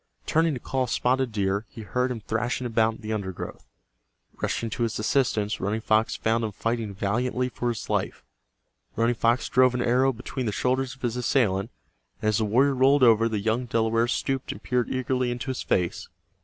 Turning to call Spotted Deer, he heard him thrashing about in the undergrowth. Rushing to his assistance, Running Fox found him fighting valiantly for his life. Running Fox drove an arrow between the shoulders of his assailant, and as the warrior rolled over the young Delaware stooped and peered eagerly into his face.